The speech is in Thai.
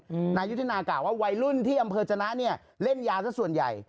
นายุทธนากล่าวว่าวัยรุ่นที่อำเภอจนะเนี่ยเล่นยาสักส่วนใหญ่